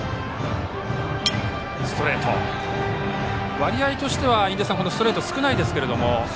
割合としては印出さんストレートが少ないですが。